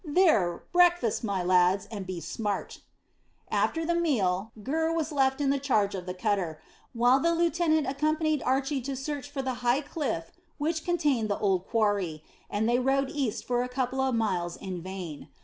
"There, breakfast, my lads, and be smart." After the meal, Gurr was left in the charge of the cutter, while the lieutenant accompanied Archy to search for the high cliff which contained the old quarry, and they rowed east for a couple of miles in vain.